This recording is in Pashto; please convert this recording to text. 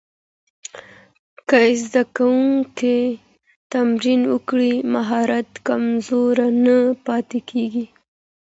که زده کوونکی تمرین وکړي، مهارت کمزوری نه پاتې کېږي.